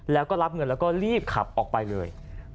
แล้วก็รับเงินแล้วก็รีบขับออกไปเลย